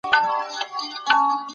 تل پر نيکه لاره قدم اخله.